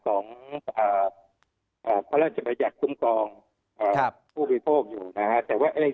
ของพระราชิบหยักษ์ทุมกองผู้บริโภคอยู่